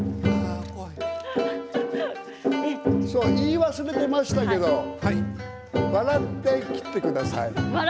言い忘れていましたけれど笑って切ってください。